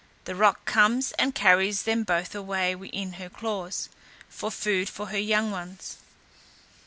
the roc comes and carries them both away in her claws, for food for her young ones.